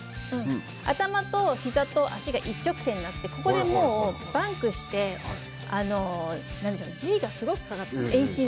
頭とひざと足が一直線になってここでもうバンクしてＧがすごくかかっている。